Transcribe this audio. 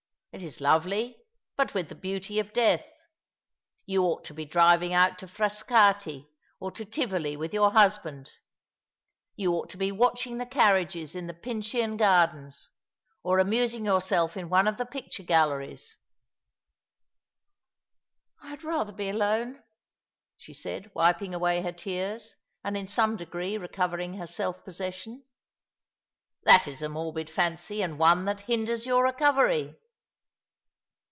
It is lovely, but with the beauty of death. You ought to be driving out to Frascati or to Tivoii with your husband. You ought to be watching the carriages in the Pincian Gardens, or amusing yonrself in one of the pictnTe galleria*," I 258 A IV along the River, "I had rather be alone/' she said, wiping away her tears, and in some degree recovering her self possession. "That is a morbid fancy, and one that hinders yoni recovery."